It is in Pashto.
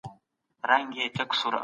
ایثار وکړئ.